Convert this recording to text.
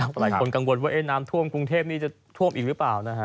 หลายคนกังวลว่าน้ำท่วมกรุงเทพนี้จะท่วมอีกหรือเปล่านะฮะ